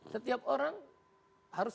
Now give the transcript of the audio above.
setiap orang harus terhormat